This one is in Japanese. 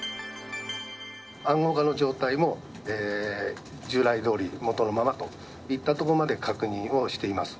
暗号化の状態も従来どおり、元のままといったところまで確認をしています。